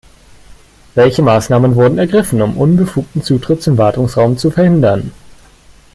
Welche Maßnahmen wurden ergriffen, um unbefugten Zutritt zum Wartungsraum zu verhindern?